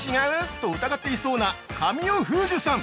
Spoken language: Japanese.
と疑っていそうな神尾楓珠さん